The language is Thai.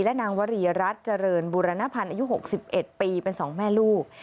และนางวรีรัฐเจริญบุรณพันธ์อายุ๖๑ปีเป็นสองแม่ลูก